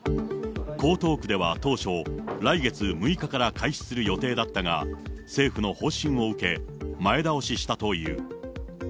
江東区では当初、来月６日から開始する予定だったが、政府の方針を受け、前倒ししたという。